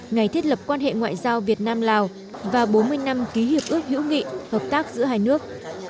ngày thiết lập quan hệ ngoại giao việt nam lào và bốn mươi năm ký hiệp ước hữu nghị hợp tác giữa hai nước